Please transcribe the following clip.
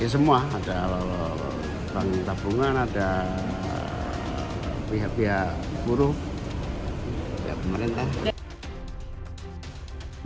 semua ada bank tabungan ada pihak pihak buruh pihak pemerintah